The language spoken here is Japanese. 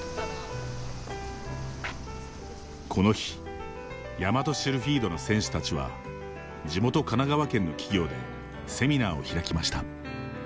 この日、大和シルフィードの選手たちは地元、神奈川県の企業でセミナーを開きました。